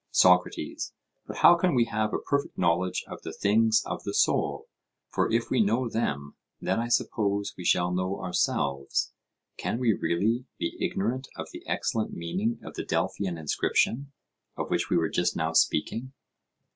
SOCRATES: But how can we have a perfect knowledge of the things of the soul? For if we know them, then I suppose we shall know ourselves. Can we really be ignorant of the excellent meaning of the Delphian inscription, of which we were just now speaking?